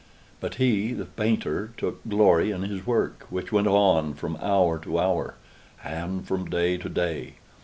But he, the painter, took glory in his work, which went on from hour to hour, and from day to day.